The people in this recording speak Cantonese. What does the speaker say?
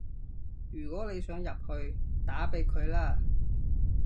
如果你想入去，打畀佢啦